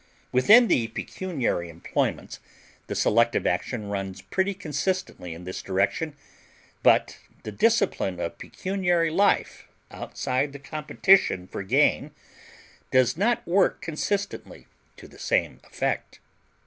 Within the pecuniary employments the selective action runs pretty consistently in this direction, but the discipline of pecuniary life, outside the competition for gain, does not work consistently to the same effect.